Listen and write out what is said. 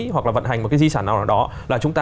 hoặc là vận hành một cái di sản nào đó là chúng ta